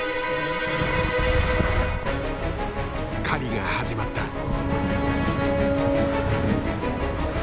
狩りが始まった。